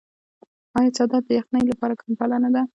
آیا څادر د یخنۍ لپاره کمپله نه ده؟